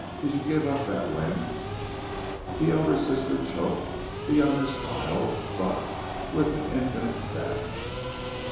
Did you give up that when " The elder sister choked; the younger smiled, but with an infinite sadness.